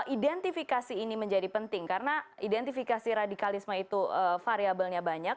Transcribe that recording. identifikasi ini menjadi penting karena identifikasi radikalisme itu variabelnya banyak